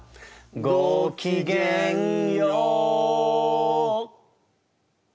「ごきげんよう！」